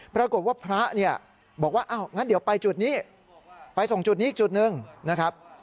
ปรากฏว่าพระเนี่ยบอกว่าอ้าวงั้นเดี๋ยวไปจุดนี้ไปส่งจุดนี้อีกจุดหนึ่งนะครับ